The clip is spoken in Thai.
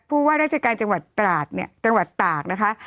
ผู้ว่าราชการจังหวัดตากนะคะ